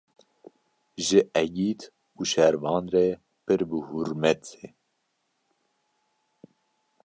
ji egît û şervan re pir bi hurrmet e.